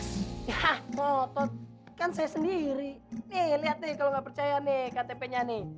ya ngotot kan saya sendiri nih lihat nih kalau nggak percaya nih ktp nya nih